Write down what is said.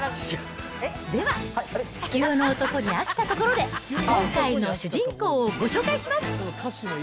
では、地球の男に飽きたところで、今回の主人公をご紹介します。